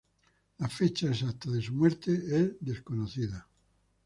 La fecha exacta de su muerte es desconocida.